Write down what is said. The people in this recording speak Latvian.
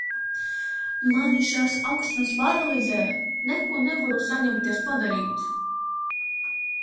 Mani šāds aukstums paralizē, neko nevaru saņemties padarīt.